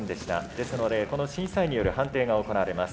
ですのでこの審査員による判定が行われます。